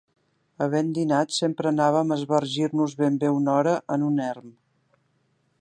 Havent dinat sempre anàvem a esbargir-nos ben bé una hora en un erm.